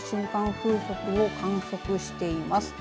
風速を観測しています。